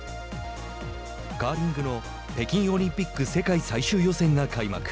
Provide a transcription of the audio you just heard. カーリングの北京オリンピック世界最終予選が開幕。